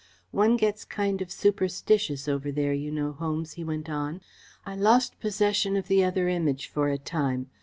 One gets kind of superstitious over there, you know, Holmes," he went on. "I lost possession of the other Image for a time.